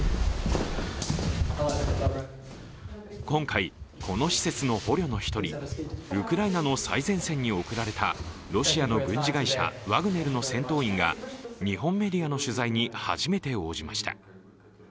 今回、この施設の捕虜の一人ウクライナの最前線に送られたロシアの軍事会社ワグネルの戦闘員が日本メディアの取材に初めて応じました。